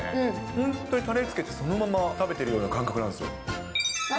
本当にたれつけて、そのまま食べてるような感覚なんですよ。